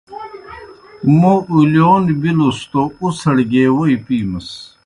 موْ اُلِیون بِلُس توْ اُڅھڑ گیے ووئی پِیمَس۔